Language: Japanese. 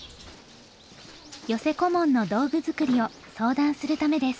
寄せ小紋の道具作りを相談するためです。